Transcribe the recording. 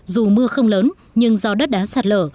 dù mưa không lớn nhưng do đất đá sạt lở